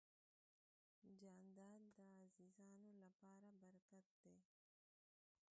جانداد د عزیزانو لپاره برکت دی.